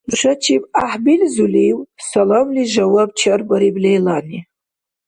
— Нушачиб гӀяхӀбилзулив? — саламлис жаваб чарбариб Лейлани.